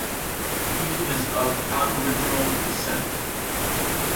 He is of Aboriginal descent.